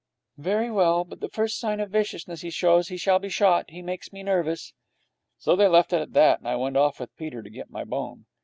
'Very well. But the first sign of viciousness he shows, he shall be shot. He makes me nervous.' So they left it at that, and I went off with Peter to get my bone.